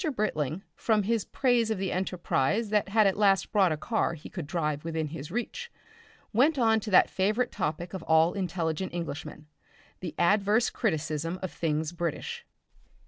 Britling, from his praise of the enterprise that had at last brought a car he could drive within his reach, went on to that favourite topic of all intelligent Englishmen, the adverse criticism of things British.